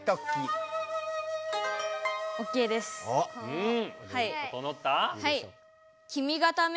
うん！